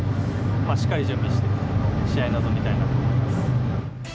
しっかり準備して、試合に臨みたいなと思います。